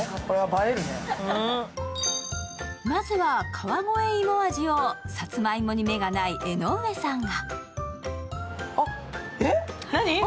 川越いも味をさつまいもに目のない江上さんが。